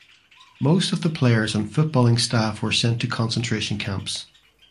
Most of the players and footballing staff were sent to concentration camps.